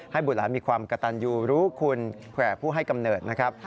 บุตรหลานมีความกระตันยูรู้คุณแผ่ผู้ให้กำเนิดนะครับ